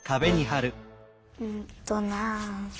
うんとな。